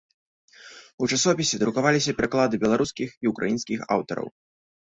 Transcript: У часопісе друкаваліся пераклады беларускіх і ўкраінскіх аўтараў.